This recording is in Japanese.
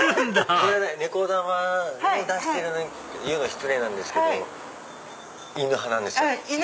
これはねこ玉を出してるのに言うの失礼なんですけど犬派なんですよ。